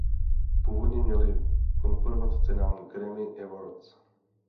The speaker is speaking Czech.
Původně měly konkurovat cenám Grammy Awards.